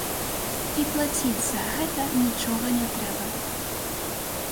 І плаціць за гэта нічога не трэба.